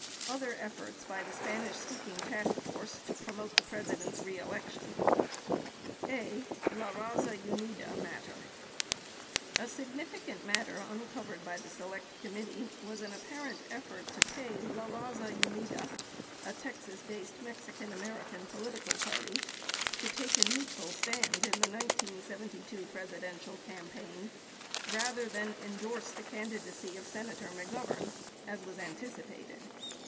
OTHER EFFORTS BY THE SPANISH SPEAKING TASK FORCE TO PROMOTE THE PRESIDENT'S REELECTION a. La Raza Unida Matter A significant matter uncovered by the Select Committee was an ap parent effort to pay La Raza Unida, a Texas based Mexican American political party, to take a neutral stand in the 1972 Presidential cam paign rather than endorse the candidacy of Senator McGovern, as was anticipated.